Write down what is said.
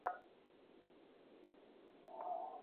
সকালবেলা বাসা থেকে বের হলে রাতের আগে বাসায় আসতে পারেন না।